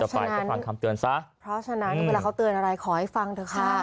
เพราะฉะนั้นเวลาเขาเตือนอะไรขอให้ฟังเถอะค่ะ